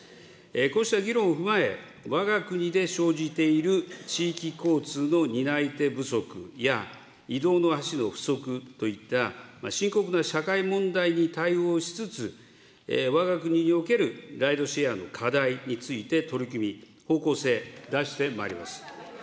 こうした議論を踏まえ、わが国で生じている地域交通の担い手不足や、移動の足の不足といった、深刻な社会問題に対応しつつ、わが国におけるライドシェアの課題について取り組み、方向性、出してまいります。